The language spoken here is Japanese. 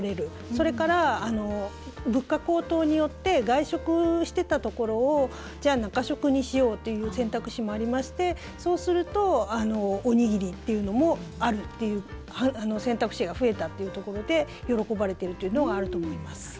それから、物価高騰によって外食していたところをじゃあ、中食にしようという選択肢もありまして、そうするとおにぎりっていうのもあるという選択肢が増えたっていうところで喜ばれているというのがあると思います。